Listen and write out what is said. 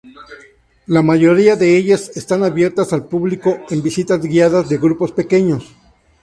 La mayoría de ellas están abiertas al público en visitas guiadas de grupos pequeños.